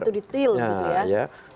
keterangannya begitu detail gitu ya